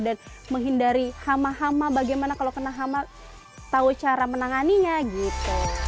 dan menghindari hama hama bagaimana kalau kena hama tahu cara menanganinya gitu